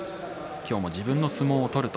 今日も自分の相撲を取ると。